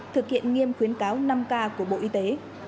thực hiện nghiêm khuyến cáo năm k của bộ y tế